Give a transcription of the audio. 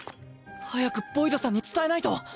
早くボイドさんに伝えないと。